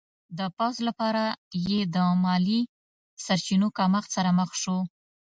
د پوځ لپاره یې د مالي سرچینو کمښت سره مخ شو.